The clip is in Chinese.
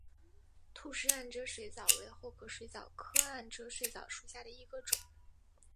吐氏暗哲水蚤为厚壳水蚤科暗哲水蚤属下的一个种。